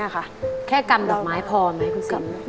แค่กำดอกไม้พอไหมครับคุณซีม